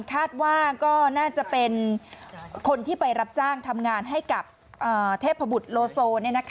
คาดว่าก็น่าจะเป็นคนที่ไปรับจ้างทำงานให้กับเทพบุตรโลโซ